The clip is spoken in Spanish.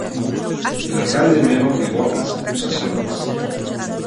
El alcalde Melo negó las acusaciones.